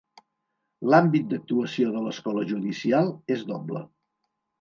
L'àmbit d'actuació de l'Escola Judicial és doble.